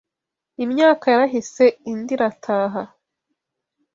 Imyaka yarahise indi irataha